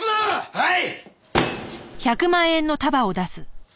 はい！